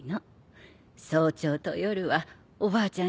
早朝と夜はおばあちゃん